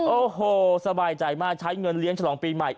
โอ้โหสบายใจมากใช้เงินเลี้ยงฉลองปีใหม่